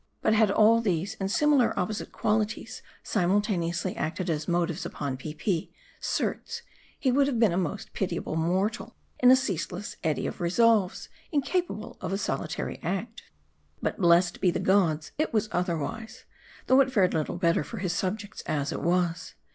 But had all these, and similar opposite qualities, simul taneously acted as motives upon Peepi, certes, he would have been a most pitiable mortal, in a ceaseless eddy of re solves, incapable of a solitary act. But blessed be the gods, it was otherwise. Though it fared little better for his subjects as it was.